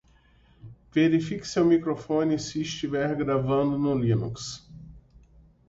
Verifique seu microfone se estiver gravando no Linux